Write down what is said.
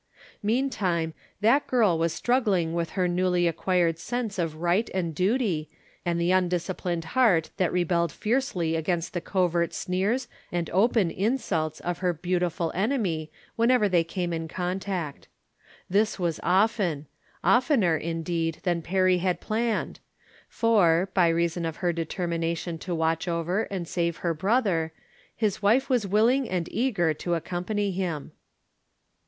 Meantime that girl was struggling with her newly acquired sense of right and duty, and the undisciplined heart that re belled fiercely against the covert sneers and open 274 '^From Different Standpoints. insults of her beautiful enemy whenever they came in contact. This was often ; oftener, in deed, than Perry had planned : for, by reason of • her determination to watch over and save her brother, his wife was willing and eager to accom ' pany him.